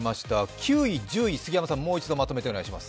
９位、１０位、杉山さん、もう一度まとめてお願いします。